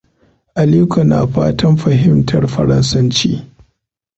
Aliko na fatan fahimtar faransanci.